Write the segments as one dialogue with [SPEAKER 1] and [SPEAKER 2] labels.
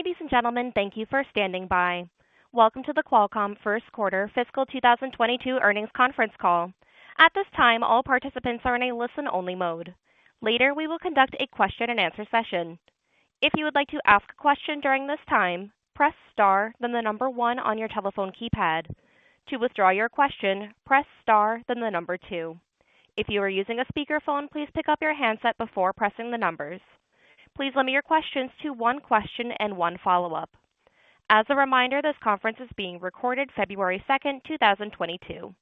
[SPEAKER 1] Ladies and gentlemen, thank you for standing by. Welcome to the Qualcomm First Quarter Fiscal 2022 Earnings Conference Call. At this time, all participants are in a listen-only mode. Later, we will conduct a question-and-answer session. If you would like to ask a question during this time, press star then the number 1 on your telephone keypad. To withdraw your question, press star then the number 2. If you are using a speakerphone, please pick up your handset before pressing the numbers. Please limit your questions to one question and one follow-up. As a reminder, this conference is being recorded February 2, 2022.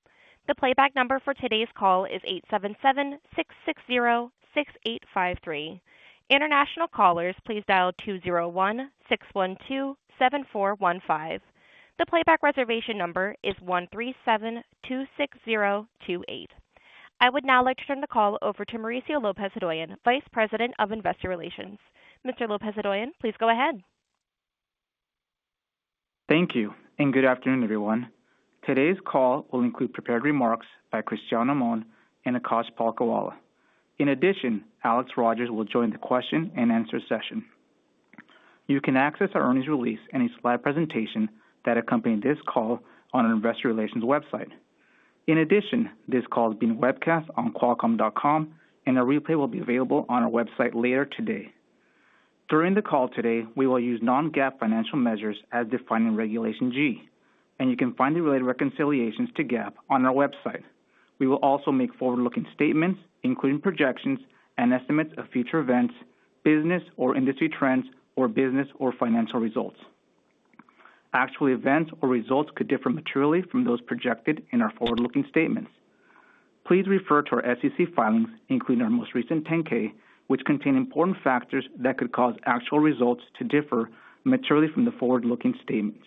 [SPEAKER 1] The playback number for today's call is 877-660-6853. International callers, please dial 201-612-7415. I would now like to turn the call over to Mauricio Lopez-Hodoyan, Vice President of Investor Relations. Mr. Lopez-Hodoyan, please go ahead.
[SPEAKER 2] Thank you, and good afternoon, everyone. Today's call will include prepared remarks by Cristiano Amon and Akash Palkhiwala. In addition, Alex Rogers will join the question-and-answer session. You can access our earnings release and its live presentation that accompany this call on our investor relations website. In addition, this call is being webcast on qualcomm.com, and a replay will be available on our website later today. During the call today, we will use non-GAAP financial measures as defined in Regulation G, and you can find the related reconciliations to GAAP on our website. We will also make forward-looking statements, including projections and estimates of future events, business or industry trends, or business or financial results. Actual events or results could differ materially from those projected in our forward-looking statements. Please refer to our SEC filings, including our most recent 10-K, which contain important factors that could cause actual results to differ materially from the forward-looking statements.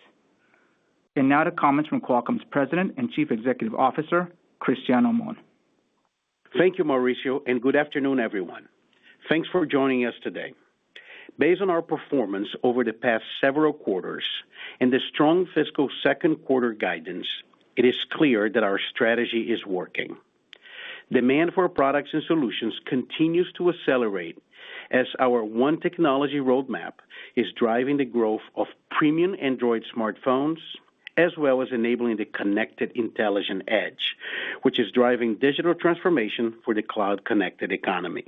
[SPEAKER 2] Now to comments from Qualcomm's President and Chief Executive Officer, Cristiano Amon.
[SPEAKER 3] Thank you, Mauricio, and good afternoon, everyone. Thanks for joining us today. Based on our performance over the past several quarters and the strong fiscal second-quarter guidance, it is clear that our strategy is working. Demand for our products and solutions continues to accelerate as our One Technology Roadmap is driving the growth of premium Android smartphones, as well as enabling the connected intelligent edge, which is driving digital transformation for the cloud-connected economy.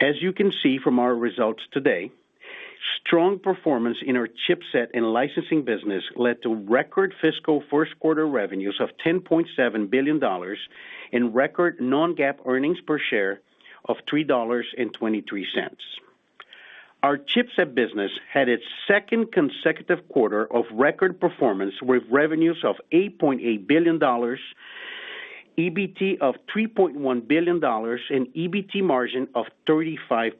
[SPEAKER 3] As you can see from our results today, strong performance in our chipset and licensing business led to record fiscal first-quarter revenues of $10.7 billion and record non-GAAP earnings per share of $3.23. Our chipset business had its second consecutive quarter of record performance, with revenues of $8.8 billion, EBT of $3.1 billion, and EBT margin of 35%.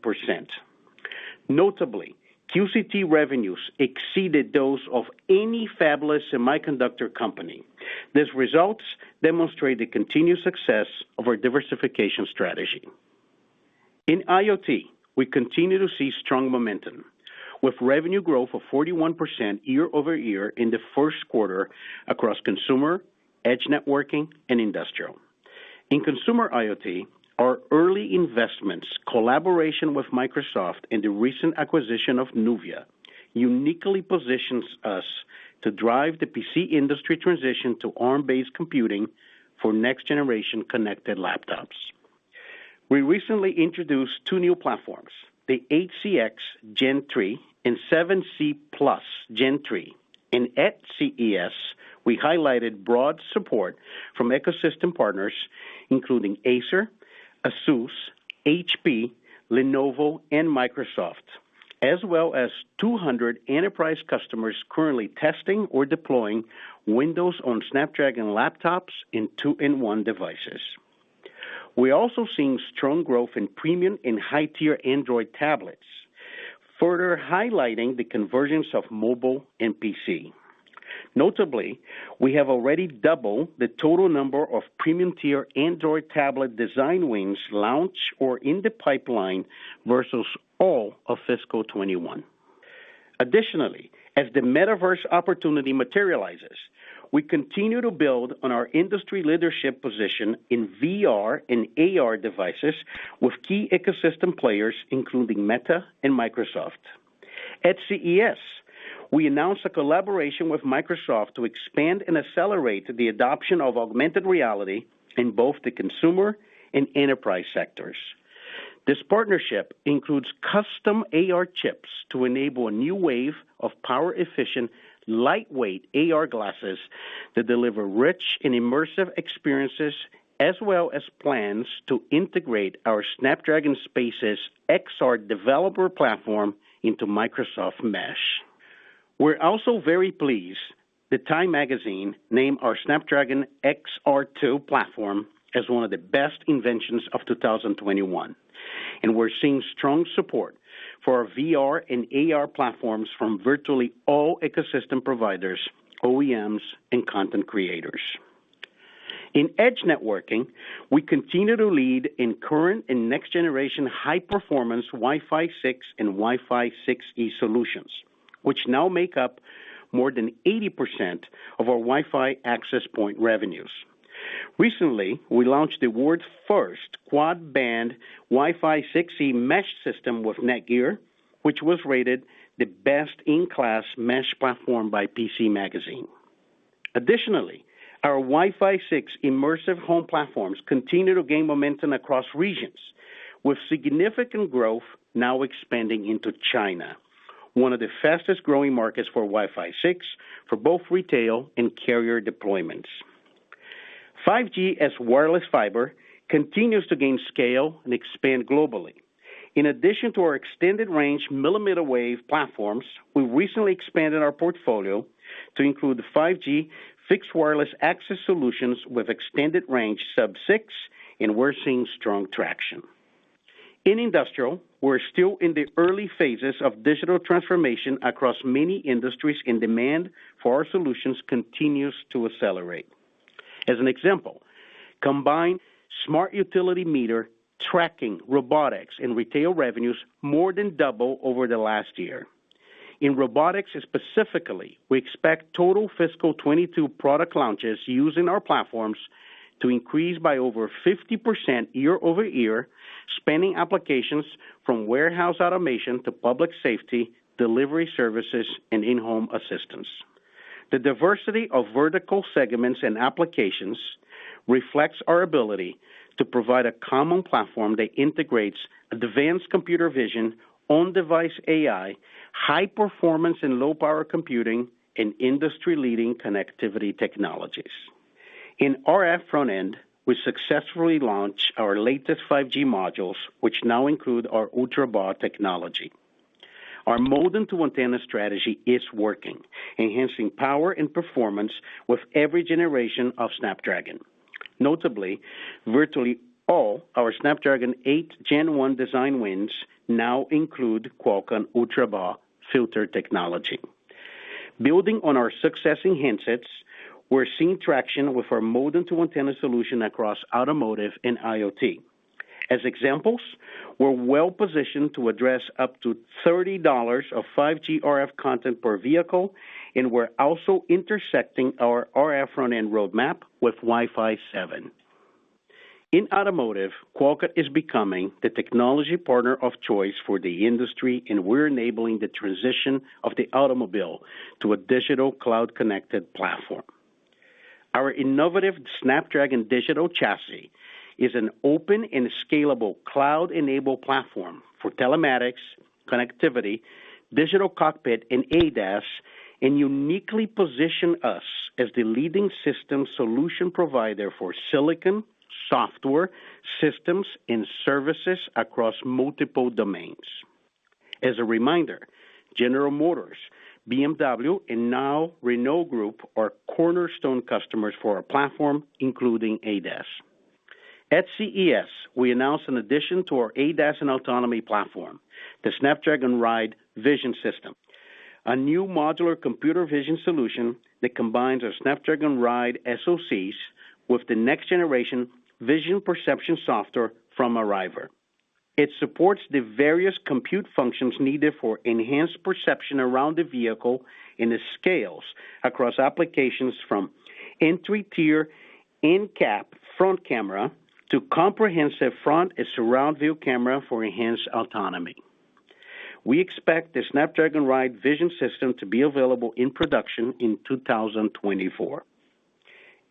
[SPEAKER 3] Notably, QCT revenues exceeded those of any fabless semiconductor company. These results demonstrate the continued success of our diversification strategy. In IoT, we continue to see strong momentum, with revenue growth of 41% year-over-year in the first quarter across consumer, edge networking, and industrial. In consumer IoT, our early investments, collaboration with Microsoft and the recent acquisition of NUVIA uniquely positions us to drive the PC industry transition to Arm-based computing for next-generation connected laptops. We recently introduced two new platforms, the 8cx Gen 3 and 7c+ Gen 3. And at CES, we highlighted broad support from ecosystem partners, including Acer, ASUS, HP, Lenovo, and Microsoft, as well as 200 enterprise customers currently testing or deploying Windows on Snapdragon laptops and two-in-one devices. We're also seeing strong growth in premium and high-tier Android tablets, further highlighting the convergence of mobile and PC. Notably, we have already doubled the total number of premium-tier Android tablet design wins launched or in the pipeline versus all of fiscal 2021. Additionally, as the metaverse opportunity materializes, we continue to build on our industry leadership position in VR and AR devices with key ecosystem players, including Meta and Microsoft. At CES, we announced a collaboration with Microsoft to expand and accelerate the adoption of augmented reality in both the consumer and enterprise sectors. This partnership includes custom AR chips to enable a new wave of power-efficient, lightweight AR glasses that deliver rich and immersive experiences, as well as plans to integrate our Snapdragon Spaces XR developer platform into Microsoft Mesh. We're also very pleased that Time Magazine named our Snapdragon XR2 platform as one of the best inventions of 2021, and we're seeing strong support for our VR and AR platforms from virtually all ecosystem providers, OEMs, and content creators. In edge networking, we continue to lead in current and next-generation high-performance Wi-Fi 6 and Wi-Fi 6E solutions, which now make up more than 80% of our Wi-Fi access point revenues. Recently, we launched the world's first quad band Wi-Fi 6E mesh system with NETGEAR, which was rated the best-in-class mesh platform by PC Magazine. Additionally, our Wi-Fi 6 immersive home platforms continue to gain momentum across regions, with significant growth now expanding into China, one of the fastest-growing markets for Wi-Fi 6 for both retail and carrier deployments. 5G as wireless fiber continues to gain scale and expand globally. In addition to our extended range millimeter wave platforms, we recently expanded our portfolio to include 5G fixed wireless access solutions with extended range sub-6, and we're seeing strong traction. In industrial, we're still in the early phases of digital transformation across many industries and demand for our solutions continues to accelerate. As an example, combined smart utility meter, tracking, robotics and retail revenues more than doubled over the last year. In robotics specifically, we expect total fiscal 2022 product launches using our platforms to increase by over 50% year-over-year, spanning applications from warehouse automation to public safety, delivery services, and in-home assistance. The diversity of vertical segments and applications reflects our ability to provide a common platform that integrates advanced computer vision on-device AI, high-performance and low-power computing, and industry-leading connectivity technologies. In RF front-end, we successfully launched our latest 5G modules, which now include our ultraBAW technology. Our modem to antenna strategy is working, enhancing power and performance with every generation of Snapdragon. Notably, virtually all our Snapdragon 8 Gen 1 design wins now include Qualcomm ultraBAW filter technology. Building on our success in handsets, we're seeing traction with our modem to antenna solution across automotive and IoT. As examples, we're well-positioned to address up to $30 of 5G RF content per vehicle, and we're also intersecting our RF front-end roadmap with Wi-Fi 7. In automotive, Qualcomm is becoming the technology partner of choice for the industry, and we're enabling the transition of the automobile to a digital cloud-connected platform. Our innovative Snapdragon Digital Chassis is an open and scalable cloud-enabled platform for telematics, connectivity, digital cockpit, and ADAS, and uniquely position us as the leading system solution provider for silicon, software, systems, and services across multiple domains. As a reminder, General Motors, BMW, and now Renault Group are cornerstone customers for our platform, including ADAS. At CES, we announced an addition to our ADAS and autonomy platform, the Snapdragon Ride Vision System. A new modular computer vision solution that combines our Snapdragon Ride SoCs with the next-generation vision perception software from Arriver. It supports the various compute functions needed for enhanced perception around the vehicle and it scales across applications from entry tier, NCAP front camera to comprehensive front and surround view camera for enhanced autonomy. We expect the Snapdragon Ride Vision System to be available in production in 2024.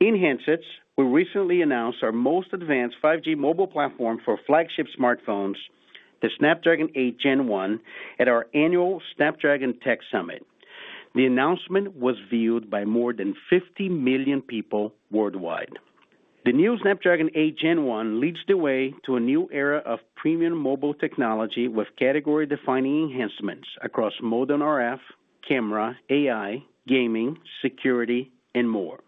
[SPEAKER 3] In handsets, we recently announced our most advanced 5G mobile platform for flagship smartphones, the Snapdragon 8 Gen 1, at our annual Snapdragon Summit. The announcement was viewed by more than 50 million people worldwide. The new Snapdragon 8 Gen 1 leads the way to a new era of premium mobile technology with category-defining enhancements across modem RF, camera, AI, gaming, security, and more.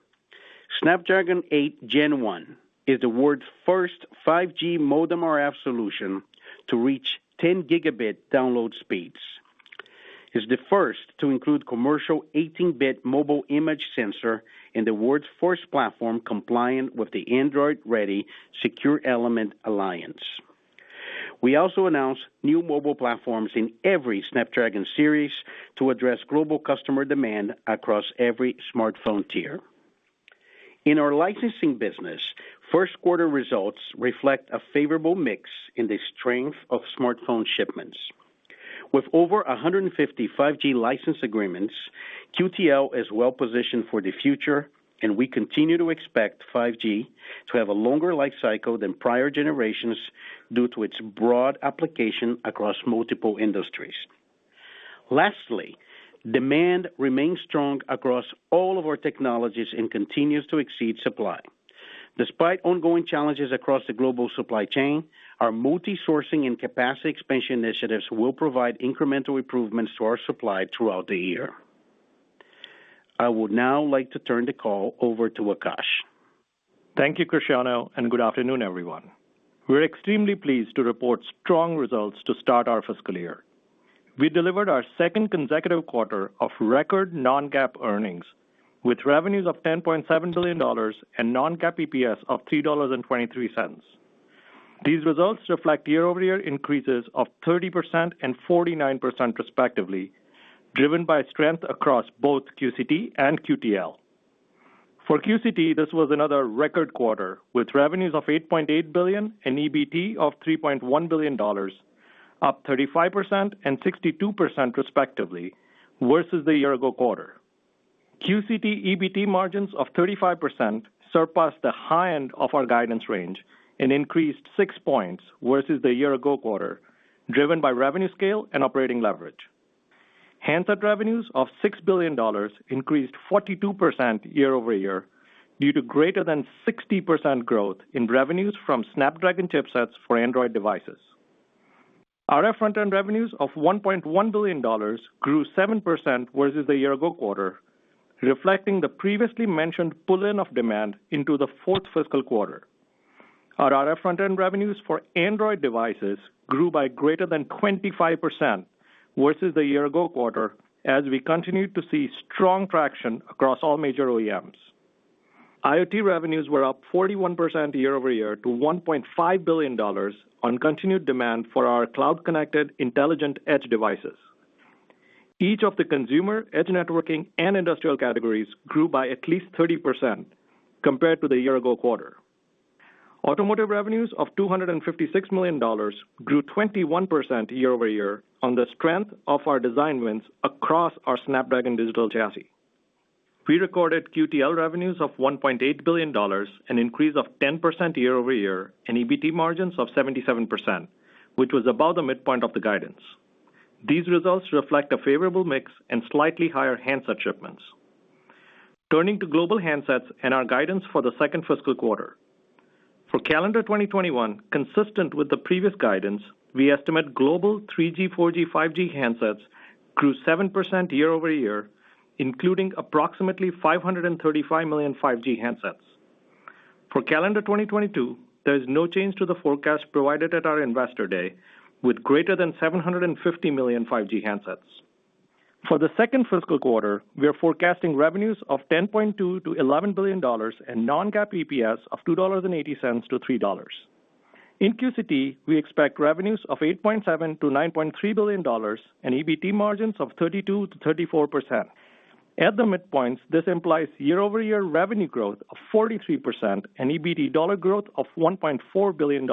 [SPEAKER 3] Snapdragon 8 Gen 1 is the world's first 5G modem RF solution to reach 10 gigabit download speeds. It's the first to include commercial 18-bit mobile image sensor and the world's first platform compliant with the Android Ready SE Alliance. We also announced new mobile platforms in every Snapdragon series to address global customer demand across every smartphone tier. In our licensing business, first quarter results reflect a favorable mix in the strength of smartphone shipments. With over 150 5G license agreements, QTL is well-positioned for the future and we continue to expect 5G to have a longer life cycle than prior generations due to its broad application across multiple industries. Lastly, demand remains strong across all of our technologies and continues to exceed supply. Despite ongoing challenges across the global supply chain, our multi-sourcing and capacity expansion initiatives will provide incremental improvements to our supply throughout the year. I would now like to turn the call over to Akash.
[SPEAKER 4] Thank you, Cristiano, and good afternoon, everyone. We're extremely pleased to report strong results to start our fiscal year. We delivered our second consecutive quarter of record non-GAAP earnings with revenues of $10.7 billion and non-GAAP EPS of $3.23. These results reflect year-over-year increases of 30% and 49% respectively, driven by strength across both QCT and QTL. For QCT, this was another record quarter, with revenues of $8.8 billion and EBT of $3.1 billion, up 35% and 62% respectively, versus the year-ago quarter. QCT EBT margins of 35% surpassed the high end of our guidance range and increased 6 points versus the year-ago quarter, driven by revenue scale and operating leverage. Handset revenues of $6 billion increased 42% year-over-year, due to greater than 60% growth in revenues from Snapdragon chipsets for Android devices. RF front-end revenues of $1.1 billion grew 7% versus the year-ago quarter, reflecting the previously mentioned pull-in of demand into the fourth fiscal quarter. Our RF front-end revenues for Android devices grew by greater than 25% versus the year-ago quarter as we continued to see strong traction across all major OEMs. IoT revenues were up 41% year-over-year to $1.5 billion on continued demand for our cloud-connected intelligent edge devices. Each of the consumer, edge networking, and industrial categories grew by at least 30% compared to the year-ago quarter. Automotive revenues of $256 million grew 21% year-over-year on the strength of our design wins across our Snapdragon Digital Chassis. We recorded QTL revenues of $1.8 billion, an increase of 10% year-over-year, and EBT margins of 77%, which was above the midpoint of the guidance. These results reflect a favorable mix and slightly higher handset shipments. Turning to global handsets and our guidance for the second fiscal quarter. For calendar 2021, consistent with the previous guidance, we estimate global 3G, 4G, 5G handsets grew 7% year-over-year, including approximately 535 million 5G handsets. For calendar 2022, there is no change to the forecast provided at our Investor Day, with greater than 750 million 5G handsets. For the second fiscal quarter, we are forecasting revenues of $10.2 billion-$11 billion and non-GAAP EPS of $2.80-$3.00. In QCT, we expect revenues of $8.7 billion-$9.3 billion and EBT margins of 32%-34%. At the midpoints, this implies year-over-year revenue growth of 43% and EBT dollar growth of $1.4 billion.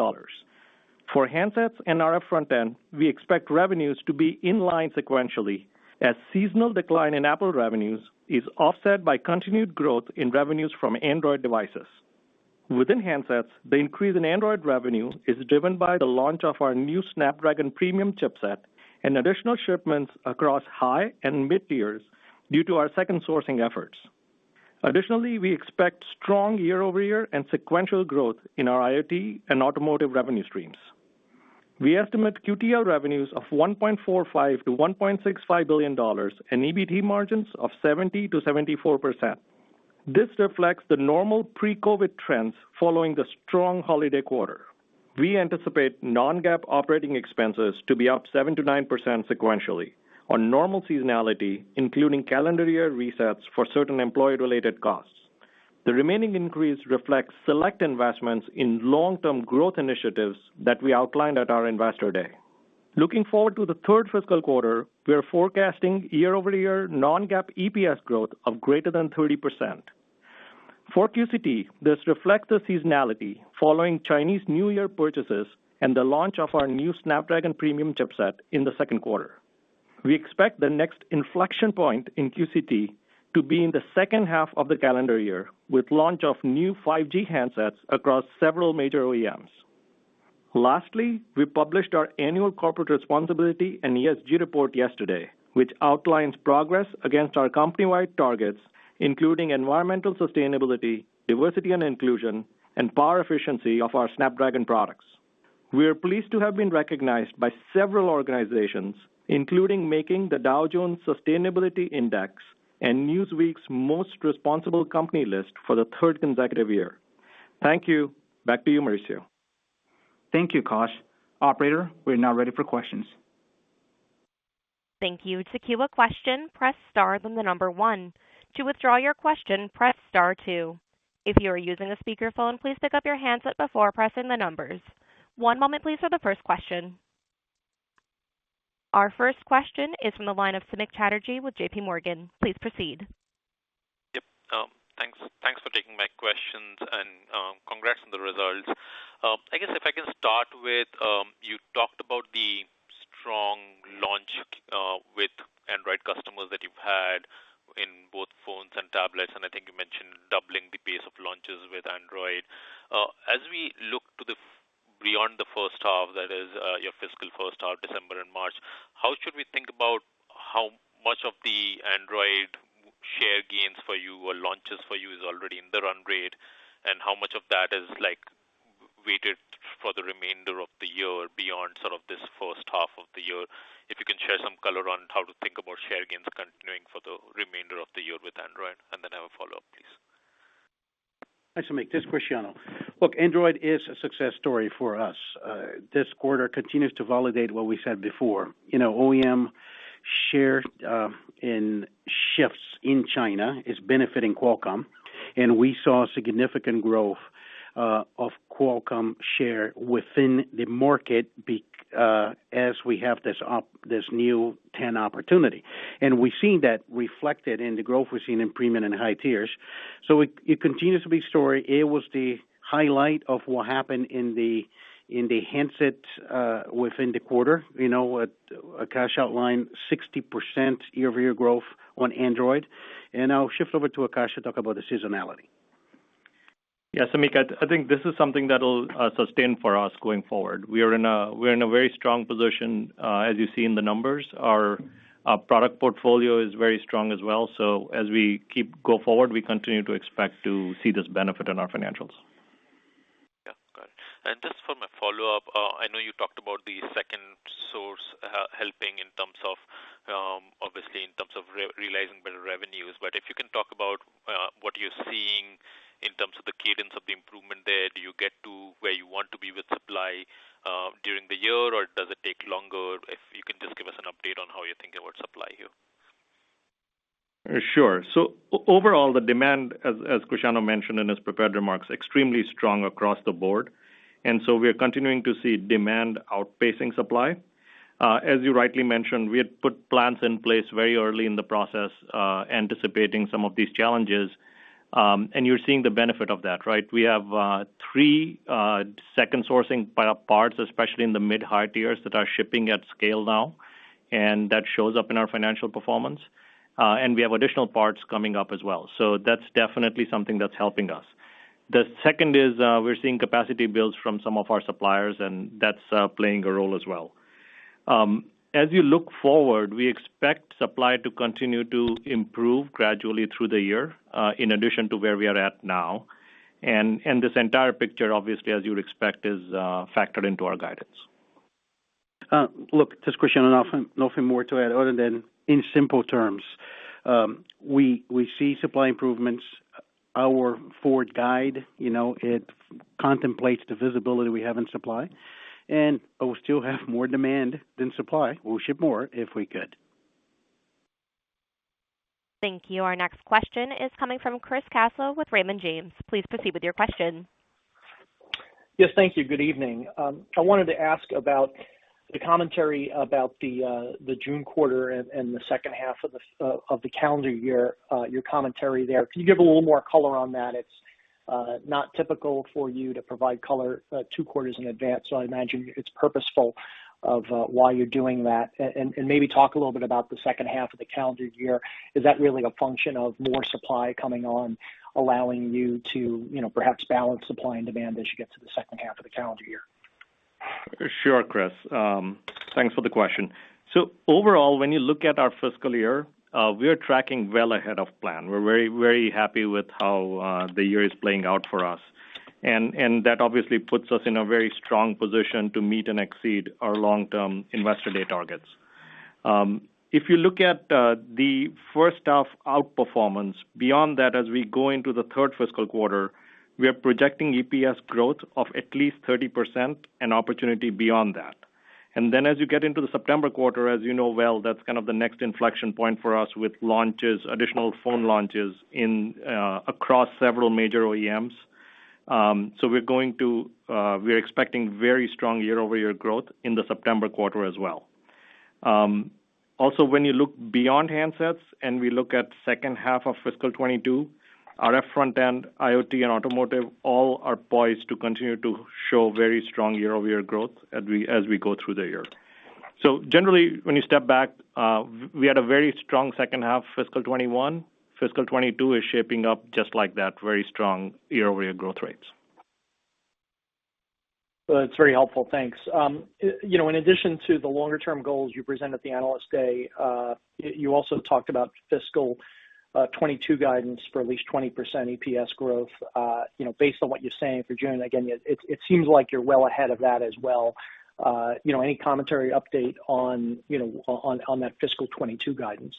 [SPEAKER 4] For handsets and RF front-end, we expect revenues to be in line sequentially as seasonal decline in Apple revenues is offset by continued growth in revenues from Android devices. Within handsets, the increase in Android revenue is driven by the launch of our new Snapdragon premium chipset and additional shipments across high and mid-tiers due to our second sourcing efforts. Additionally, we expect strong year-over-year and sequential growth in our IoT and automotive revenue streams. We estimate QTL revenues of $1.45 billion-$1.65 billion and EBT margins of 70%-74%. This reflects the normal pre-COVID trends following the strong holiday quarter. We anticipate non-GAAP operating expenses to be up 7%-9% sequentially on normal seasonality, including calendar year resets for certain employee-related costs. The remaining increase reflects select investments in long-term growth initiatives that we outlined at our Investor Day. Looking forward to the third fiscal quarter, we are forecasting year-over-year non-GAAP EPS growth of greater than 30%. For QCT, this reflects the seasonality following Chinese New Year purchases and the launch of our new Snapdragon premium chipset in the second quarter. We expect the next inflection point in QCT to be in the second half of the calendar year, with launch of new 5G handsets across several major OEMs. Lastly, we published our annual corporate responsibility and ESG report yesterday, which outlines progress against our company-wide targets, including environmental sustainability, diversity and inclusion, and power efficiency of our Snapdragon products. We are pleased to have been recognized by several organizations, including making the Dow Jones Sustainability Index and Newsweek's Most Responsible Company list for the third consecutive year. Thank you. Back to you, Mauricio.
[SPEAKER 2] Thank you, AKash. Operator, we are now ready for questions.
[SPEAKER 1] Thank you to que a question press star and the number one, to withdraw your question press star two. If you are using a speakerphone please pickup your hand before pressing the numbers, one moment before the first question. Our first question is from the line of Samik Chatterjee with JPMorgan. Please proceed.
[SPEAKER 5] Yes, thanks. Thanks for taking my questions and, congrats on the results. I guess if I can start with, you talked about the strong launch with Android customers that you've had in both phones and tablets, and I think you mentioned doubling the pace of launches with Android. As we look to the beyond the first half, that is, your fiscal first half, December and March, how should we think about how much of the Android share gains for you or launches for you is already in the run rate, and how much of that is, like, weighted for the remainder of the year beyond sort of this first half of the year? If you can share some color on how to think about share gains continuing for the remainder of the year with Android, and then I have a follow-up, please.
[SPEAKER 3] Thanks, Samik. This is Cristiano. Look, Android is a success story for us. This quarter continues to validate what we said before. You know, OEM Share in shifts in China is benefiting Qualcomm, and we saw significant growth of Qualcomm share within the market benefiting as we have this new TAM opportunity. We've seen that reflected in the growth we've seen in premium and high tiers. It continues to be story. It was the highlight of what happened in the handset within the quarter. You know, what Akash outlined 60% year-over-year growth on Android. I'll shift over to Akash to talk about the seasonality.
[SPEAKER 4] Yeah, Samik, I think this is something that'll sustain for us going forward. We are in a very strong position, as you see in the numbers. Our product portfolio is very strong as well. As we keep going forward, we continue to expect to see this benefit in our financials.
[SPEAKER 5] Yeah, got it. Just for my follow-up, I know you talked about the second source helping in terms of, obviously in terms of realizing better revenues. If you can talk about what you're seeing in terms of the cadence of the improvement there, do you get to where you want to be with supply during the year, or does it take longer? If you can just give us an update on how you're thinking about supply here.
[SPEAKER 4] Sure. Overall, the demand, as Cristiano mentioned in his prepared remarks, is extremely strong across the board, and we are continuing to see demand outpacing supply. As you rightly mentioned, we had put plans in place very early in the process, anticipating some of these challenges, and you're seeing the benefit of that, right? We have three second sourcing parts, especially in the mid-high tiers that are shipping at scale now, and that shows up in our financial performance. We have additional parts coming up as well. That's definitely something that's helping us. The second is, we're seeing capacity builds from some of our suppliers, and that's playing a role as well. As you look forward, we expect supply to continue to improve gradually through the year, in addition to where we are at now. This entire picture, obviously, as you'd expect, is factored into our guidance.
[SPEAKER 3] Look, just Cristiano. Nothing more to add other than in simple terms. We see supply improvements. Our forward guide, you know, it contemplates the visibility we have in supply. We still have more demand than supply. We'll ship more if we could.
[SPEAKER 1] Thank you. Our next question is coming from Chris Caso with Raymond James. Please proceed with your question.
[SPEAKER 6] Yes, thank you. Good evening. I wanted to ask about the commentary about the June quarter and the second half of the calendar year, your commentary there. Can you give a little more color on that? It's not typical for you to provide color two quarters in advance, so I imagine it's purposeful. Why you're doing that. Maybe talk a little bit about the second half of the calendar year. Is that really a function of more supply coming on, allowing you to, you know, perhaps balance supply and demand as you get to the second half of the calendar year?
[SPEAKER 4] Sure, Chris, thanks for the question. Overall, when you look at our fiscal year, we are tracking well ahead of plan. We're very, very happy with how the year is playing out for us. That obviously puts us in a very strong position to meet and exceed our long-term Investor Day targets. If you look at the first half outperformance, beyond that, as we go into the third fiscal quarter, we are projecting EPS growth of at least 30% and opportunity beyond that. As you get into the September quarter, as you know well, that's kind of the next inflection point for us with launches, additional phone launches across several major OEMs. We are expecting very strong year-over-year growth in the September quarter as well. Also when you look beyond handsets and we look at second half of fiscal 2022, RF front-end, IoT, and automotive, all are poised to continue to show very strong year-over-year growth as we go through the year. Generally when you step back, we had a very strong second half fiscal 2021. Fiscal 2022 is shaping up just like that, very strong year-over-year growth rates.
[SPEAKER 6] That's very helpful. Thanks. You know, in addition to the longer term goals you present at the Analyst Day, you also talked about fiscal 2022 guidance for at least 20% EPS growth. You know, based on what you're saying for June, again, it seems like you're well ahead of that as well. You know, any commentary update on that fiscal 2022 guidance?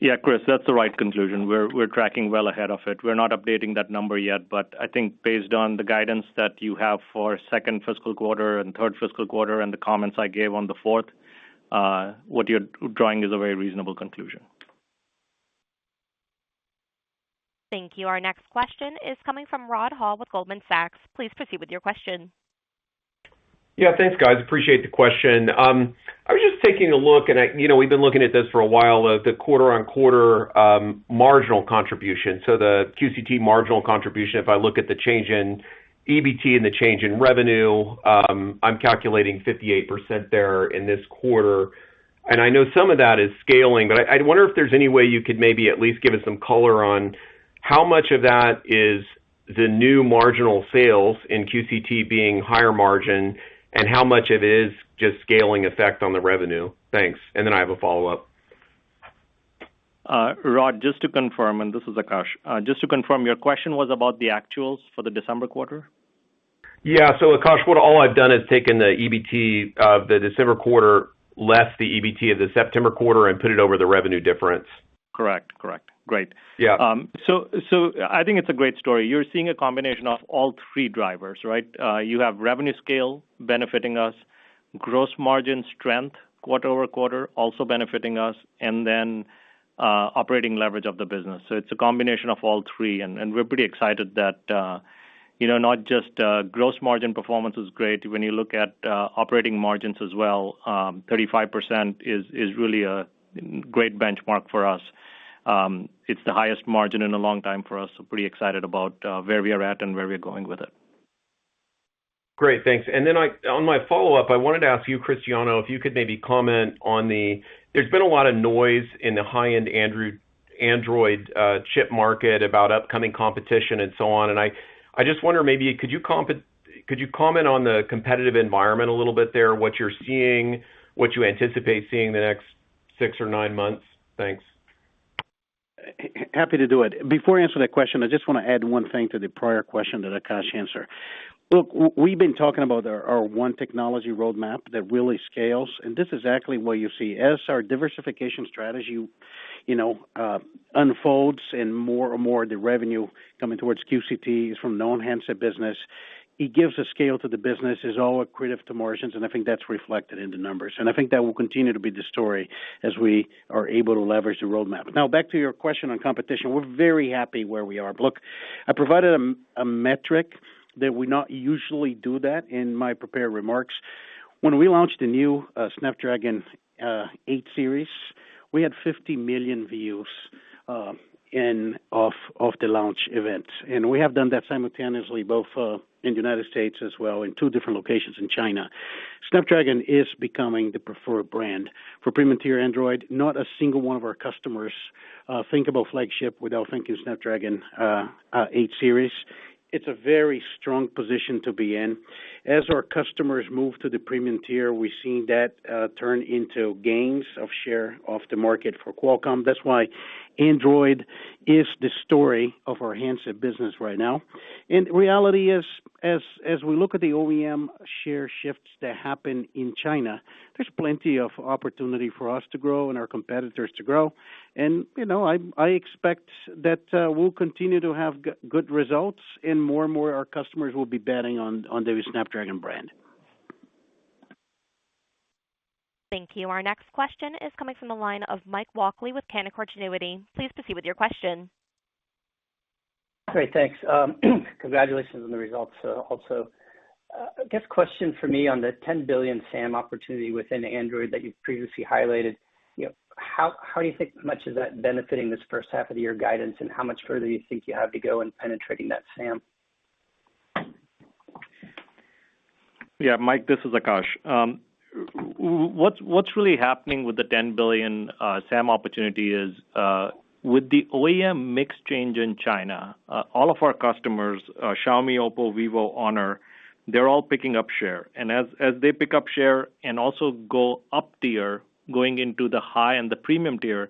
[SPEAKER 4] Yeah, Chris, that's the right conclusion. We're tracking well ahead of it. We're not updating that number yet, but I think based on the guidance that you have for second fiscal quarter and third fiscal quarter and the comments I gave on the fourth, what you're drawing is a very reasonable conclusion.
[SPEAKER 1] Thank you. Our next question is coming from Rod Hall with Goldman Sachs. Please proceed with your question.
[SPEAKER 7] Yeah, thanks, guys. Appreciate the question. I was just taking a look and I, you know, we've been looking at this for a while, the quarter-on-quarter marginal contribution. The QCT marginal contribution, if I look at the change in EBT and the change in revenue, I'm calculating 58% there in this quarter. I know some of that is scaling, but I wonder if there's any way you could maybe at least give us some color on how much of that is the new marginal sales in QCT being higher margin and how much it is just scaling effect on the revenue. Thanks. I have a follow-up.
[SPEAKER 4] Rod, just to confirm, this is Akash. Just to confirm, your question was about the actuals for the December quarter?
[SPEAKER 7] Yeah. Akash, what all I've done is taken the EBT of the December quarter, less the EBT of the September quarter and put it over the revenue difference.
[SPEAKER 4] Correct. Great.
[SPEAKER 7] Yeah.
[SPEAKER 4] I think it's a great story. You're seeing a combination of all three drivers, right? You have revenue scale benefiting us, gross margin strength quarter-over-quarter also benefiting us and then, operating leverage of the business. It's a combination of all three, and we're pretty excited that, you know, not just gross margin performance is great when you look at operating margins as well, 35% is really a great benchmark for us. It's the highest margin in a long time for us, pretty excited about where we are at and where we're going with it.
[SPEAKER 7] Great, thanks. On my follow-up, I wanted to ask you, Cristiano, if you could maybe comment on the. There's been a lot of noise in the high-end Android chip market about upcoming competition and so on. I just wonder, maybe could you comment on the competitive environment a little bit there, what you're seeing, what you anticipate seeing the next six or nine months? Thanks.
[SPEAKER 3] Happy to do it. Before I answer that question, I just wanna add one thing to the prior question that Akash answered. Look, we've been talking about our one technology roadmap that really scales, and this is exactly what you see. As our diversification strategy, you know, unfolds and more and more of the revenue coming towards QCT is from non-handset business, it gives a scale to the business, it's all accretive to margins, and I think that's reflected in the numbers, and I think that will continue to be the story as we are able to leverage the roadmap. Now, back to your question on competition. We're very happy where we are. Look, I provided a metric that we don't usually do that in my prepared remarks. When we launched the new Snapdragon 8 series, we had 50 million views off the launch event, and we have done that simultaneously both in the United States as well in two different locations in China. Snapdragon is becoming the preferred brand for premium tier Android. Not a single one of our customers think about flagship without thinking Snapdragon 8 series. It's a very strong position to be in. As our customers move to the premium tier, we've seen that turn into gains of share of the market for Qualcomm. That's why Android is the story of our handset business right now. Reality is, as we look at the OEM share shifts that happen in China, there's plenty of opportunity for us to grow and our competitors to grow. You know, I expect that we'll continue to have good results and more and more our customers will be betting on the Snapdragon brand.
[SPEAKER 1] Thank you. Our next question is coming from the line of Michael Walkley with Canaccord Genuity. Please proceed with your question.
[SPEAKER 8] Great, thanks. Congratulations on the results, also. I guess a question for me on the $10 billion SAM opportunity within Android that you've previously highlighted. You know, how much do you think of that benefiting this first half of the year guidance, and how much further do you think you have to go in penetrating that SAM?
[SPEAKER 4] Yeah. Mike, this is Akash. What's really happening with the $10 billion SAM opportunity is with the OEM mix change in China, all of our customers, Xiaomi, Oppo, Vivo, Honor, they're all picking up share. As they pick up share and also go up tier, going into the high and the premium tier,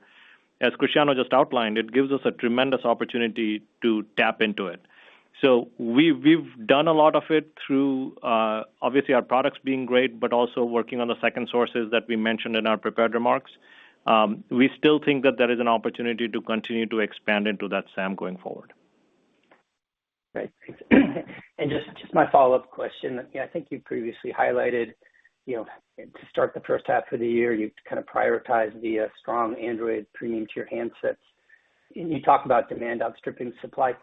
[SPEAKER 4] as Cristiano just outlined, it gives us a tremendous opportunity to tap into it. We've done a lot of it through, obviously our products being great, but also working on the second sources that we mentioned in our prepared remarks. We still think that there is an opportunity to continue to expand into that SAM going forward.
[SPEAKER 8] Great, thanks. Just my follow-up question. You know, I think you previously highlighted, you know, to start the first half of the year, you kind of prioritized the strong Android premium to your handsets. You talked about demand outstripping supply.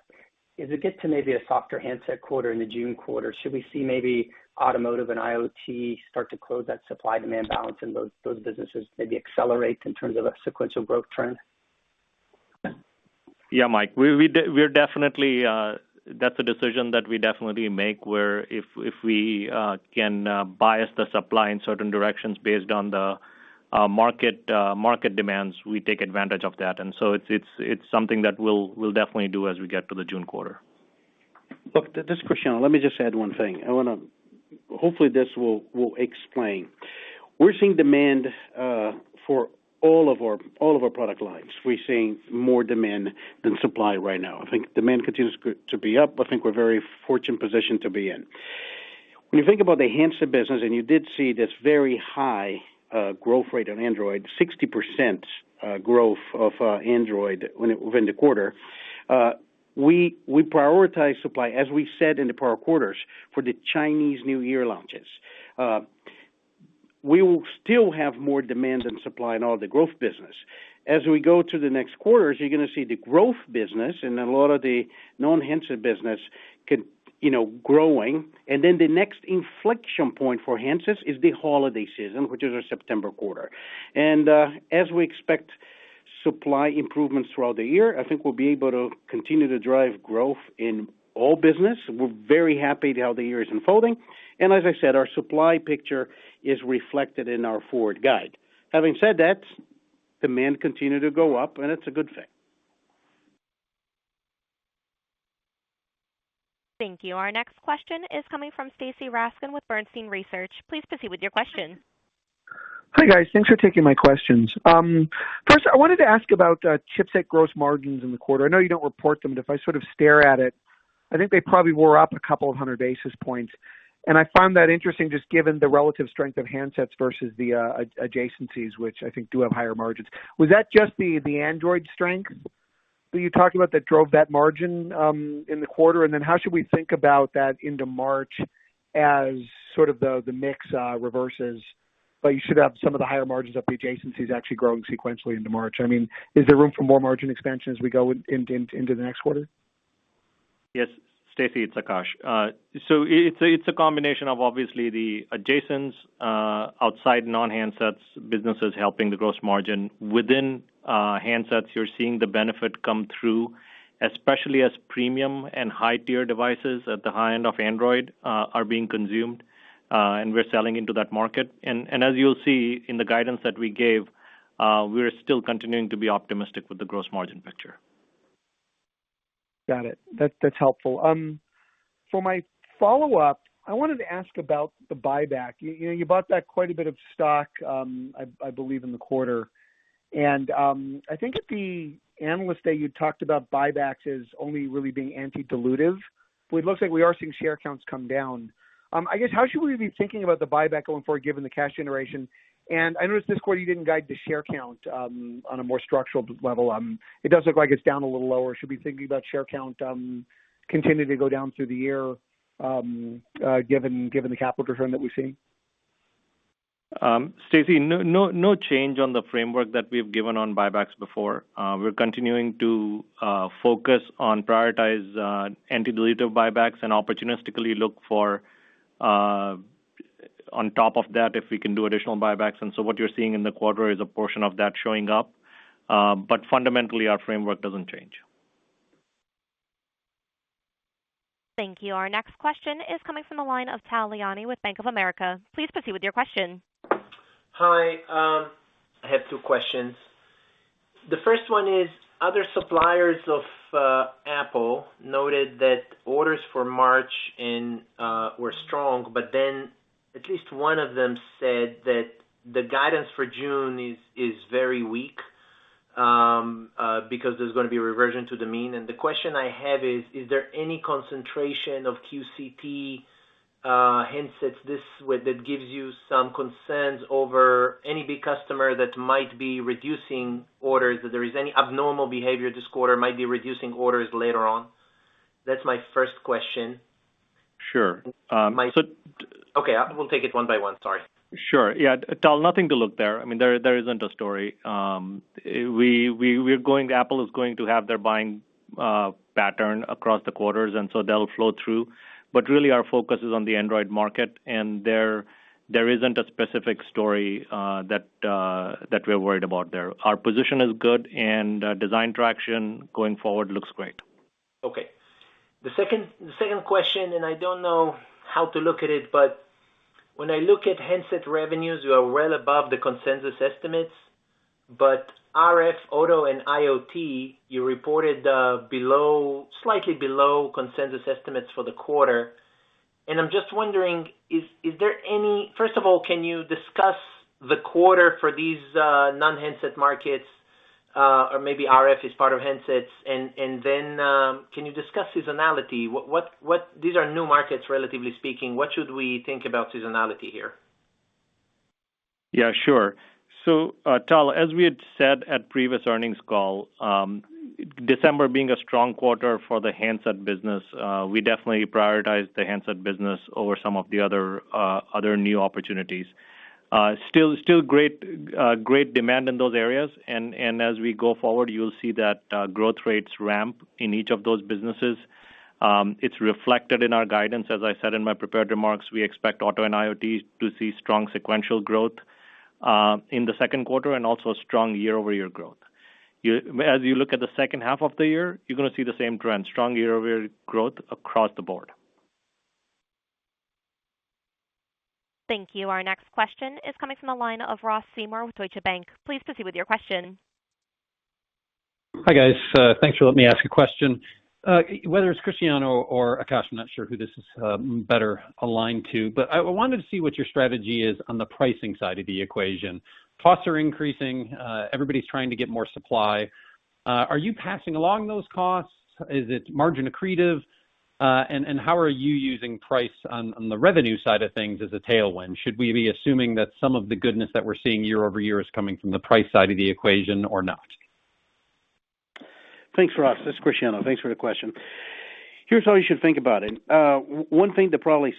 [SPEAKER 8] As it gets to maybe a softer handset quarter in the June quarter, should we see maybe automotive and IoT start to close that supply demand balance in those businesses, maybe accelerate in terms of a sequential growth trend?
[SPEAKER 4] Yeah. Mike, we're definitely. That's a decision that we definitely make where if we can bias the supply in certain directions based on the market demands, we take advantage of that. It's something that we'll definitely do as we get to the June quarter.
[SPEAKER 3] Look, this is Cristiano. Let me just add one thing. I wanna. Hopefully, this will explain. We're seeing demand for all of our product lines. We're seeing more demand than supply right now. I think demand continues to be up. I think we're very fortunate position to be in. When you think about the handset business, and you did see this very high growth rate on Android, 60% growth of Android within the quarter, we prioritize supply, as we said in the prior quarters, for the Chinese New Year launches. We will still have more demand than supply in all the growth business. As we go to the next quarters, you're gonna see the growth business and a lot of the non-handset business, you know, growing. Then the next inflection point for handsets is the holiday season, which is our September quarter. As we expect supply improvements throughout the year, I think we'll be able to continue to drive growth in all business. We're very happy how the year is unfolding. As I said, our supply picture is reflected in our forward guide. Having said that, demand continue to go up, and it's a good thing.
[SPEAKER 1] Thank you. Our next question is coming from Stacy Rasgon with Bernstein Research. Please proceed with your question.
[SPEAKER 9] Hi, guys. Thanks for taking my questions. First I wanted to ask about chipset gross margins in the quarter. I know you don't report them, but if I sort of stare at it. I think they probably were up a couple of hundred basis points, and I found that interesting, just given the relative strength of handsets versus the adjacencies, which I think do have higher margins. Was that just the Android strength that you talked about that drove that margin in the quarter? Then how should we think about that into March as sort of the mix reverses, but you should have some of the higher margins of the adjacencies actually growing sequentially into March. I mean, is there room for more margin expansion as we go into the next quarter?
[SPEAKER 4] Yes. Stacy, it's Akash. So it's a combination of obviously the adjacents outside non-handsets businesses helping the gross margin. Within handsets, you're seeing the benefit come through, especially as premium and high-tier devices at the high end of Android are being consumed and we're selling into that market. As you'll see in the guidance that we gave, we're still continuing to be optimistic with the gross margin picture.
[SPEAKER 9] Got it. That's helpful. For my follow-up, I wanted to ask about the buyback. You know, you bought back quite a bit of stock, I believe in the quarter. I think at the Analyst Day, you talked about buybacks as only really being anti-dilutive, but it looks like we are seeing share counts come down. I guess, how should we be thinking about the buyback going forward, given the cash generation? I noticed this quarter you didn't guide the share count, on a more structural level. It does look like it's down a little lower. Should we be thinking about share count continuing to go down through the year, given the capital return that we've seen?
[SPEAKER 4] Stacy, no change on the framework that we've given on buybacks before. We're continuing to focus on prioritizing anti-dilutive buybacks and opportunistically look for on top of that if we can do additional buybacks. What you're seeing in the quarter is a portion of that showing up. Fundamentally our framework doesn't change.
[SPEAKER 1] Thank you. Our next question is coming from the line of Tal Liani with Bank of America. Please proceed with your question.
[SPEAKER 10] Hi. I have two questions. The first one is other suppliers of Apple noted that orders for March were strong, but then at least one of them said that the guidance for June is very weak because there's gonna be reversion to the mean. The question I have is: Is there any concentration of QCT handsets that gives you some concerns over any big customer that might be reducing orders? That there is any abnormal behavior this quarter might be reducing orders later on? That's my first question.
[SPEAKER 4] Sure.
[SPEAKER 10] Okay, we'll take it one by one, sorry.
[SPEAKER 4] Sure. Yeah, Tal, nothing to look at there. I mean, there isn't a story. Apple is going to have their buying pattern across the quarters, and so that'll flow through. Really our focus is on the Android market and there isn't a specific story that we're worried about there. Our position is good and design traction going forward looks great.
[SPEAKER 10] Okay. The second question, and I don't know how to look at it, but when I look at handset revenues, you are well above the consensus estimates. RF, auto, and IoT, you reported slightly below consensus estimates for the quarter. I'm just wondering. First of all, can you discuss the quarter for these non-handset markets? Or maybe RF is part of handsets and then can you discuss seasonality? These are new markets relatively speaking. What should we think about seasonality here?
[SPEAKER 4] Yeah, sure. Tal, as we had said at previous earnings call, December being a strong quarter for the handset business, we definitely prioritize the handset business over some of the other new opportunities. Still great demand in those areas. As we go forward, you'll see that growth rates ramp in each of those businesses. It's reflected in our guidance. As I said in my prepared remarks, we expect auto and IoT to see strong sequential growth in the second quarter and also strong year-over-year growth. As you look at the second half of the year, you're gonna see the same trend, strong year-over-year growth across the board.
[SPEAKER 1] Thank you. Our next question is coming from the line of Ross Seymore with Deutsche Bank. Please proceed with your question.
[SPEAKER 11] Hi, guys. Thanks for letting me ask a question. Whether it's Cristiano or Akash, I'm not sure who this is better aligned to, but I wanted to see what your strategy is on the pricing side of the equation. Costs are increasing. Everybody's trying to get more supply. Are you passing along those costs? Is it margin accretive? How are you using price on the revenue side of things as a tailwind? Should we be assuming that some of the goodness that we're seeing year-over-year is coming from the price side of the equation or not?
[SPEAKER 3] Thanks, Ross. This is Cristiano. Thanks for the question. Here's how you should think about it. One thing that probably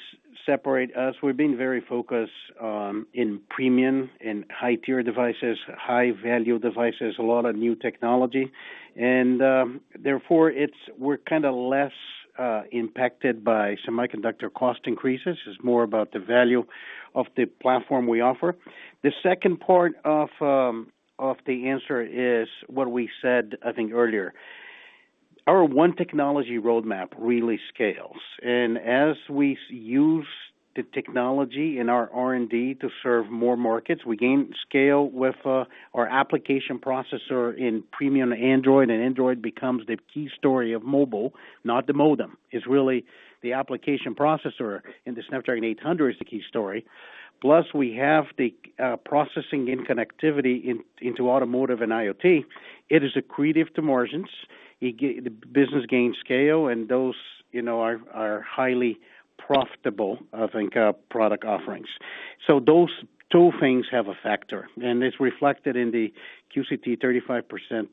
[SPEAKER 3] separate us, we're being very focused in premium and high-tier devices, high-value devices, a lot of new technology. Therefore we're kinda less impacted by semiconductor cost increases. It's more about the value of the platform we offer. The second part of the answer is what we said, I think earlier. Our One Technology Roadmap really scales. As we use the technology in our R&D to serve more markets, we gain scale with our application processor in premium Android, and Android becomes the key story of mobile, not the modem. It's really the application processor, and the Snapdragon 8 is the key story. Plus we have the processing and connectivity into automotive and IoT. It is accretive to margins. The business gains scale and those, you know, are highly profitable, I think, product offerings. Those two things have a factor, and it's reflected in the QCT 35%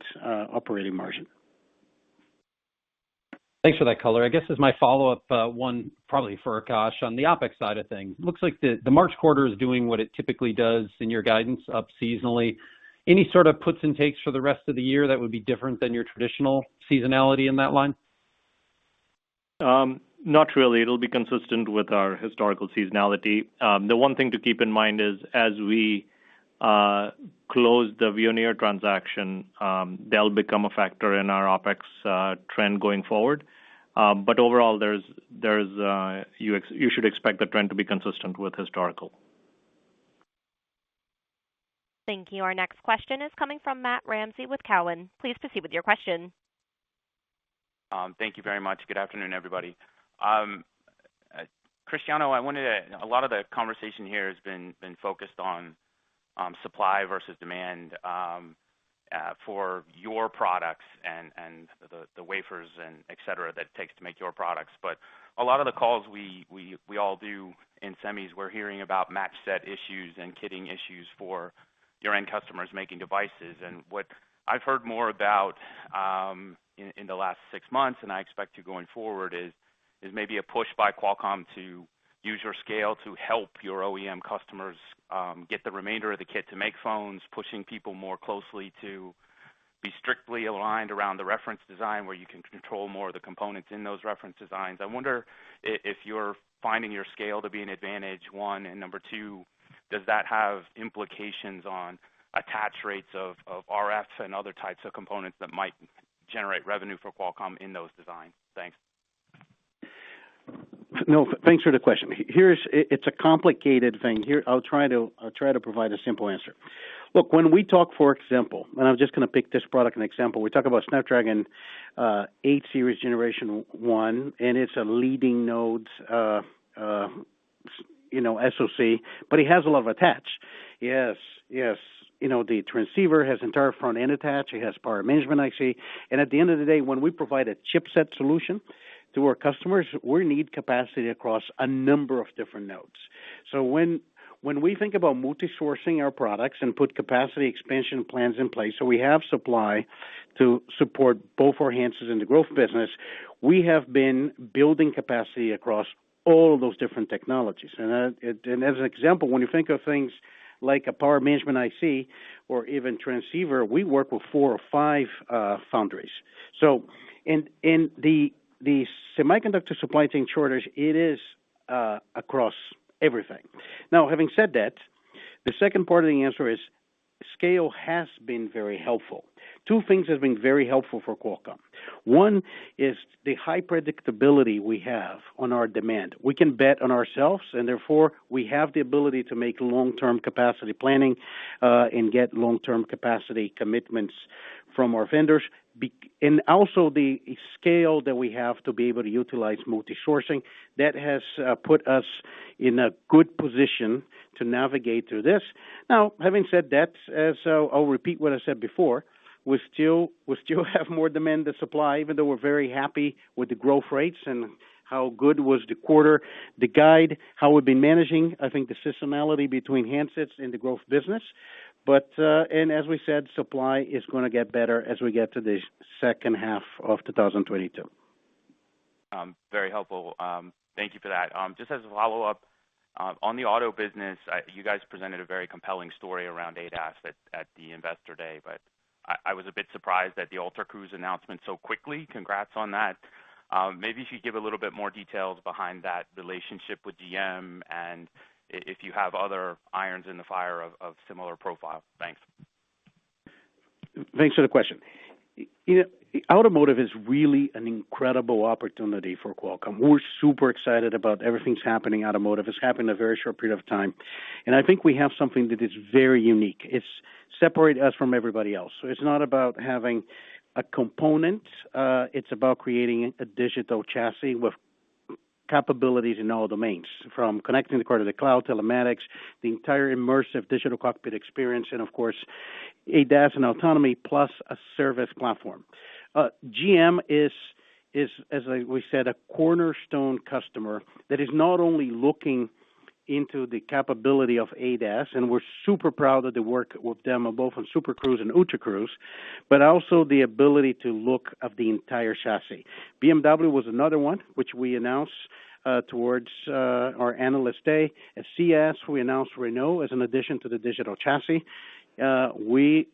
[SPEAKER 3] operating margin.
[SPEAKER 11] Thanks for that color. I guess as my follow-up, one probably for Akash on the OpEx side of things. Looks like the March quarter is doing what it typically does in your guidance up seasonally. Any sort of puts and takes for the rest of the year that would be different than your traditional seasonality in that line?
[SPEAKER 4] Not really. It'll be consistent with our historical seasonality. The one thing to keep in mind is, as we close the Veoneer transaction, they'll become a factor in our OpEx trend going forward. Overall, you should expect the trend to be consistent with historical.
[SPEAKER 1] Thank you. Our next question is coming from Matthew Ramsay with Cowen. Please proceed with your question.
[SPEAKER 12] Thank you very much. Good afternoon, everybody. Cristiano, a lot of the conversation here has been focused on supply versus demand for your products and the wafers and et cetera that it takes to make your products. A lot of the calls we all do in semis, we're hearing about matched set issues and kitting issues for your end customers making devices. What I've heard more about in the last six months, and I expect to going forward, is maybe a push by Qualcomm to use your scale to help your OEM customers get the remainder of the kit to make phones, pushing people more closely to be strictly aligned around the reference design, where you can control more of the components in those reference designs. I wonder if you're finding your scale to be an advantage, one, and number two, does that have implications on attach rates of RFs and other types of components that might generate revenue for Qualcomm in those designs? Thanks.
[SPEAKER 3] No, thanks for the question. It's a complicated thing. Here, I'll try to provide a simple answer. Look, when we talk, for example, and I'm just gonna pick this product as an example, we talk about Snapdragon 8 Gen 1, and it's a leading node, you know, SoC, but it has a lot of attach. You know, the transceiver has entire front-end attach. It has power management IC. And at the end of the day, when we provide a chipset solution to our customers, we need capacity across a number of different nodes. When we think about multi-sourcing our products and put capacity expansion plans in place, so we have supply to support both our handsets and the growth business, we have been building capacity across all of those different technologies. As an example, when you think of things like a power management IC or even transceiver, we work with four or five foundries. In the semiconductor supply chain shortage, it is across everything. Now, having said that, the second part of the answer is scale has been very helpful. Two things have been very helpful for Qualcomm. One is the high predictability we have on our demand. We can bet on ourselves, and therefore, we have the ability to make long-term capacity planning and get long-term capacity commitments from our vendors. Also the scale that we have to be able to utilize multi-sourcing, that has put us in a good position to navigate through this. Now, having said that, I'll repeat what I said before. We still have more demand than supply, even though we're very happy with the growth rates and how good was the quarter, the guide, how we've been managing, I think, the seasonality between handsets and the growth business. As we said, supply is gonna get better as we get to the second half of 2022.
[SPEAKER 12] Very helpful. Thank you for that. Just as a follow-up on the auto business, you guys presented a very compelling story around ADAS at the Investor Day, but I was a bit surprised at the Ultra Cruise announcement so quickly. Congrats on that. Maybe if you'd give a little bit more details behind that relationship with GM and if you have other irons in the fire of similar profile. Thanks.
[SPEAKER 3] Thanks for the question. You know, automotive is really an incredible opportunity for Qualcomm. We're super excited about everything that's happening in automotive. It's happened in a very short period of time, and I think we have something that is very unique. It's separate us from everybody else. It's not about having a component, it's about creating a digital chassis with capabilities in all domains, from connecting the car to the cloud, telematics, the entire immersive digital cockpit experience, and of course, ADAS and autonomy, plus a service platform. GM is, as, like we said, a cornerstone customer that is not only looking into the capability of ADAS, and we're super proud of the work with them both on Super Cruise and Ultra Cruise, but also the ability to look up the entire chassis. BMW was another one, which we announced towards our Analyst Day. At CES, we announced Renault as an addition to the digital chassis. You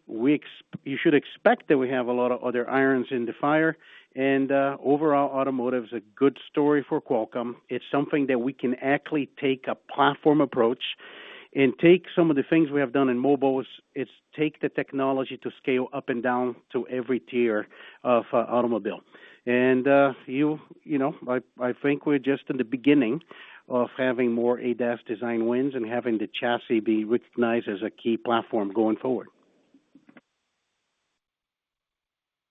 [SPEAKER 3] should expect that we have a lot of other irons in the fire and overall, automotive is a good story for Qualcomm. It's something that we can actually take a platform approach and take some of the things we have done in mobile, is take the technology to scale up and down to every tier of automobile. You know, I think we're just in the beginning of having more ADAS design wins and having the chassis be recognized as a key platform going forward.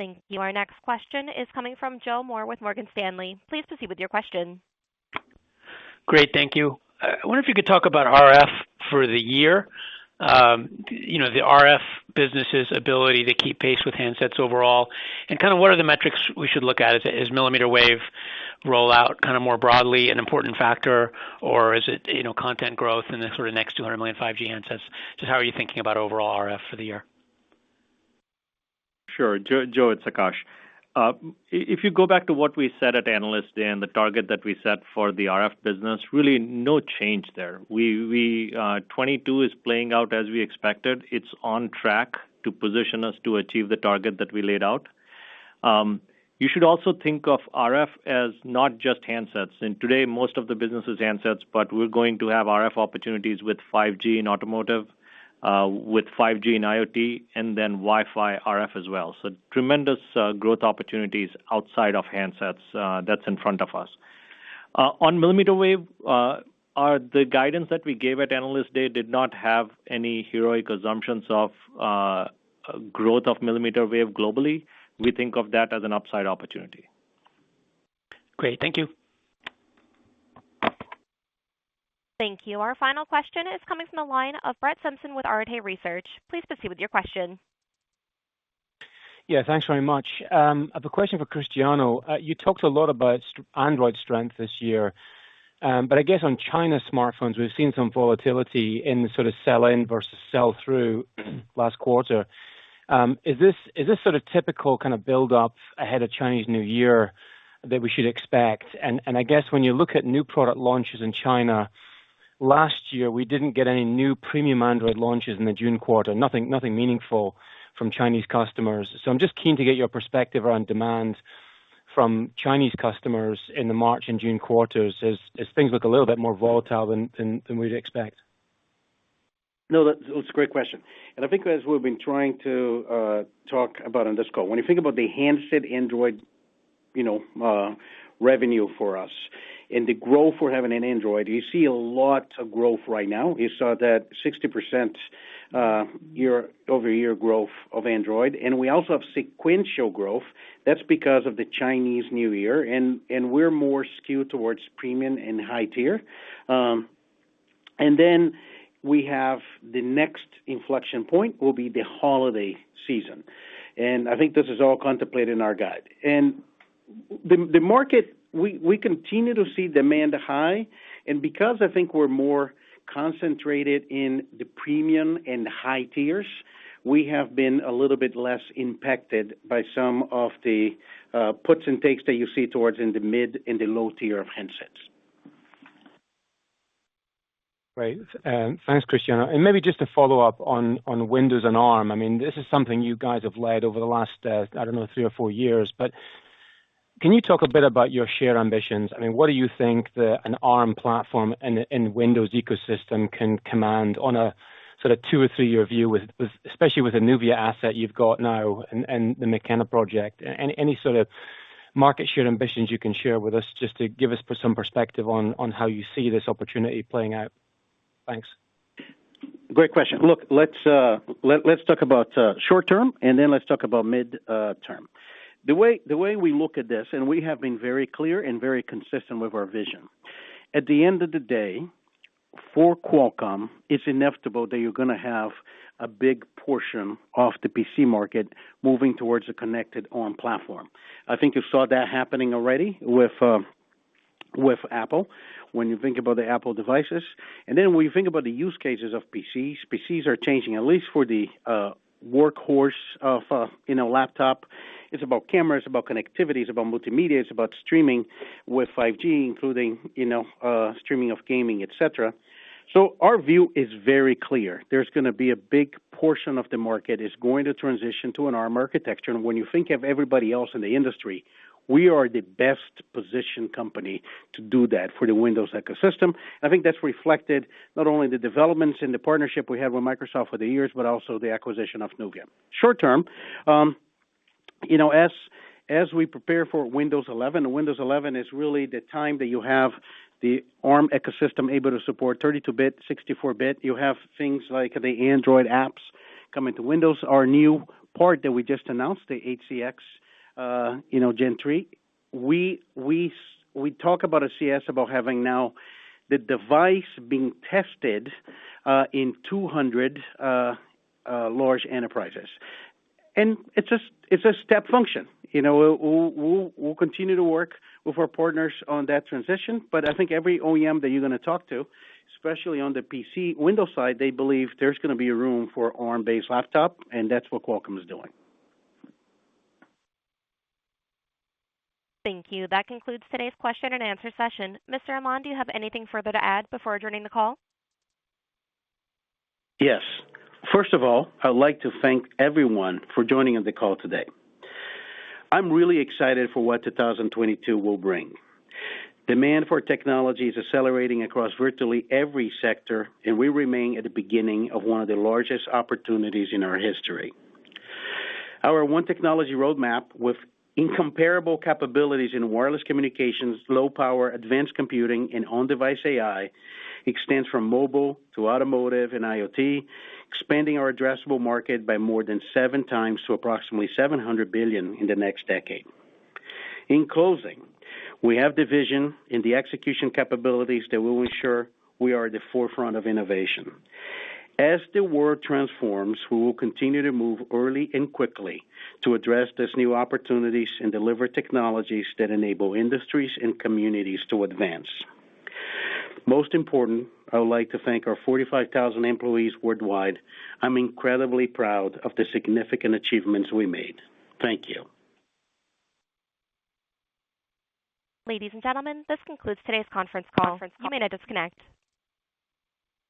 [SPEAKER 1] Thank you. Our next question is coming from Joseph Moore with Morgan Stanley. Please proceed with your question.
[SPEAKER 13] Great. Thank you. I wonder if you could talk about RF for the year, you know, the RF business's ability to keep pace with handsets overall and kind of what are the metrics we should look at? Is millimeter wave rollout kind of more broadly an important factor or is it, you know, content growth and then sort of next 200 million 5G handsets? Just how are you thinking about overall RF for the year?
[SPEAKER 4] Sure. Joe, it's Akash. If you go back to what we said at Analyst Day and the target that we set for the RF business, really no change there. 2022 is playing out as we expected. It's on track to position us to achieve the target that we laid out. You should also think of RF as not just handsets. Today most of the business is handsets, but we're going to have RF opportunities with 5G in automotive, with 5G in IoT and then Wi-Fi RF as well. Tremendous growth opportunities outside of handsets, that's in front of us. On millimeter wave, the guidance that we gave at Analyst Day did not have any heroic assumptions of growth of millimeter wave globally. We think of that as an upside opportunity.
[SPEAKER 13] Great. Thank you.
[SPEAKER 1] Thank you. Our final question is coming from the line of Brett Simpson with Arete Research. Please proceed with your question.
[SPEAKER 14] Yeah, thanks very much. I have a question for Cristiano. You talked a lot about Android strength this year, but I guess on China smartphones, we've seen some volatility in sort of sell-in versus sell-through last quarter. Is this sort of typical kind of buildup ahead of Chinese New Year that we should expect? I guess when you look at new product launches in China, last year we didn't get any new premium Android launches in the June quarter, nothing meaningful from Chinese customers. I'm just keen to get your perspective around demand from Chinese customers in the March and June quarters as things look a little bit more volatile than we'd expect.
[SPEAKER 3] No, that's a great question. I think as we've been trying to talk about on this call, when you think about the handset Android, you know, revenue for us and the growth we're having in Android, you see a lot of growth right now. You saw that 60% year-over-year growth of Android, and we also have sequential growth. That's because of the Chinese New Year and we're more skewed towards premium and high tier. Then we have the next inflection point will be the holiday season. I think this is all contemplated in our guide. The market, we continue to see high demand. Because I think we're more concentrated in the premium and high tiers, we have been a little bit less impacted by some of the puts and takes that you see in the mid and the low tier of handsets.
[SPEAKER 14] Great. Thanks, Cristiano. Maybe just to follow up on Windows and Arm. I mean, this is something you guys have led over the last, I don't know, three or four years, but can you talk a bit about your share ambitions? I mean, what do you think an Arm platform and Windows ecosystem can command on a sort of two or three-year view with, especially with the Nuvia asset you've got now and the Hamoa project? Any sort of market share ambitions you can share with us just to give us some perspective on how you see this opportunity playing out. Thanks.
[SPEAKER 3] Great question. Look, let's talk about short term and then let's talk about mid term. The way we look at this, and we have been very clear and very consistent with our vision. At the end of the day, for Qualcomm, it's inevitable that you're gonna have a big portion of the PC market moving towards a connected Arm platform. I think you saw that happening already with Apple when you think about the Apple devices. When you think about the use cases of PCs are changing at least for the workhorse of you know, laptop. It's about camera, it's about connectivity, it's about multimedia, it's about streaming with 5G, including you know, streaming of gaming, et cetera. Our view is very clear. There's gonna be a big portion of the market is going to transition to an Arm architecture. When you think of everybody else in the industry, we are the best positioned company to do that for the Windows ecosystem. I think that's reflected not only the developments in the partnership we have with Microsoft over the years, but also the acquisition of Nuvia. Short term, you know, as we prepare for Windows 11, Windows 11 is really the time that you have the Arm ecosystem able to support 32-bit, 64-bit. You have things like the Android apps coming to Windows. Our new part that we just announced, the 8cx, you know, Gen 3. We talk about at CES about having now the device being tested in 200 large enterprises. It's a step function. You know, we'll continue to work with our partners on that transition. I think every OEM that you're gonna talk to, especially on the PC Windows side, they believe there's gonna be room for Arm-based laptop, and that's what Qualcomm is doing.
[SPEAKER 1] Thank you. That concludes today's question-and-answer session. Mr. Amon, do you have anything further to add before adjourning the call?
[SPEAKER 3] Yes. First of all, I would like to thank everyone for joining the call today. I'm really excited for what 2022 will bring. Demand for technology is accelerating across virtually every sector, and we remain at the beginning of one of the largest opportunities in our history. Our One Technology Roadmap with incomparable capabilities in wireless communications, low power, advanced computing and on-device AI extends from mobile to automotive and IoT, expanding our addressable market by more than seven times to approximately $700 billion in the next decade. In closing, we have the vision and the execution capabilities that will ensure we are at the forefront of innovation. As the world transforms, we will continue to move early and quickly to address these new opportunities and deliver technologies that enable industries and communities to advance. Most important, I would like to thank our 45,000 employees worldwide. I'm incredibly proud of the significant achievements we made. Thank you.
[SPEAKER 1] Ladies and gentlemen, this concludes today's conference call. You may now disconnect.